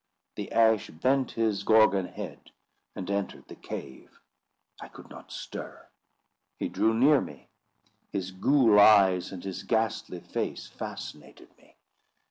The Ash bent his Gorgon head, and entered the cave. I could not stir. He drew near me. His ghoul eyes and his ghastly face fascinated me.